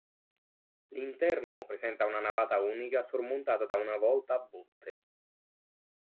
L'interno presenta una navata unica sormontata da una volta a botte.